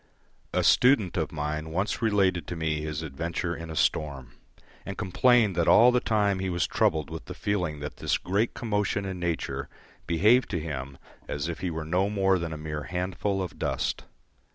A student of mine once related to me his adventure in a storm, and complained that all the time he was troubled with the feeling that this great commotion in nature behaved to him as if he were no more than a mere handful of dust.